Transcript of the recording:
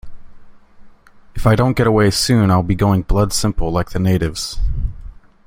If I don't get away soon I'll be going blood-simple like the natives.